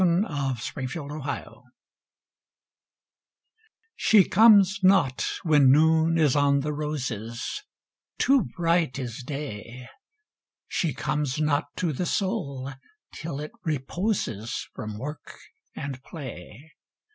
Y Z She Comes Not She comes not when Noon is on the roses Too bright is Day. She comes not to the Soul till it reposes From work and play.